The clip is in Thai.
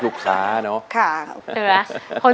ร้องได้ให้ร้อง